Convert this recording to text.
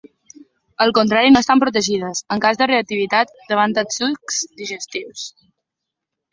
Al contrari no estan protegides, en cas de reactivitat, davant els sucs digestius.